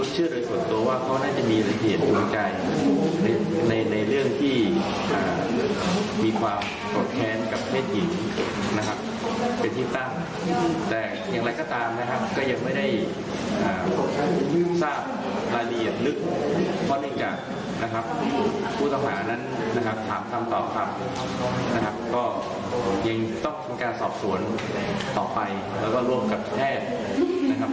จะปรากฏตัวต่อไปแล้วก็ร่วมกับประแทฟ